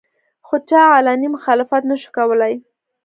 خو چا علني مخالفت نشو کولې